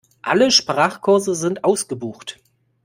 Alle Sprachkurse sind ausgebucht.